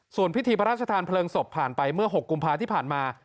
ส่วนพิธีพระราชทานเพลิงศพผ่านไปเมื่อ๖กุมภาที่ผ่านมา